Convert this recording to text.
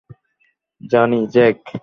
জানি, জ্যাক!